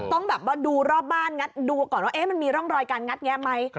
ต้องดูรอบบ้านดูก่อนว่ามันมีร่องรอยการงัดแง่ไหม